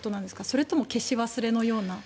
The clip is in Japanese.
それとも消し忘れのような。